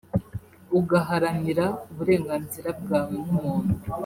ugaharanira uburenganzira bwawe nk’umuntu